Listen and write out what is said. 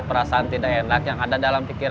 terima kasih nek